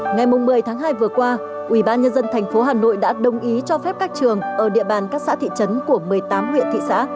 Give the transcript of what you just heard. ngày một mươi tháng hai vừa qua ubnd tp hà nội đã đồng ý cho phép các trường ở địa bàn các xã thị trấn của một mươi tám huyện thị xã